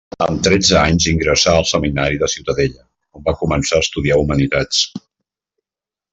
Amb tretze anys ingressà al Seminari de Ciutadella, on va començar a estudiar Humanitats.